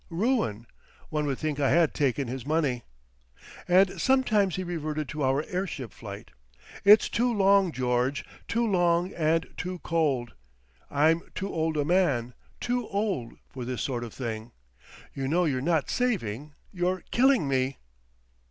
Ruin.... One would think I had taken his money." And sometimes he reverted to our airship flight. "It's too long, George, too long and too cold. I'm too old a man—too old—for this sort of thing.... You know you're not saving—you're killing me."